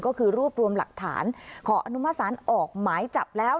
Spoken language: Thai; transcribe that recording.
ก็คือรวบรวมหลักฐานขออนุมสารออกหมายจับแล้ว